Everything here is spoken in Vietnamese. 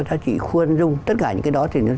giá trị khuôn rung tất cả những cái đó thì nó